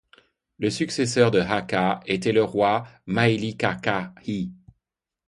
Le successeur de Haka était le roi Maʻilikākahi.